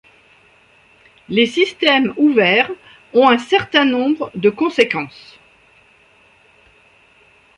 Les systèmes ouverts ont un certain nombre de conséquences.